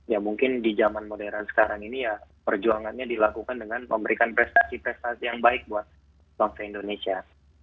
ya mungkin di zaman modern sekarang ini ya perjuangannya dilakukan dengan memberikan prestasi prestasi yang baik buat bangsa indonesia